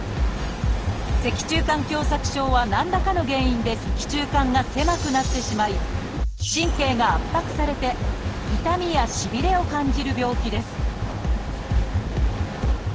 「脊柱管狭窄症」は何らかの原因で脊柱管が狭くなってしまい神経が圧迫されて痛みやしびれを感じる病気です